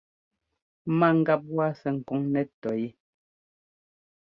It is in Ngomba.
Ma gap waa sɛ́ ɛ́kɔŋ nɛ́ tɔyɛ́.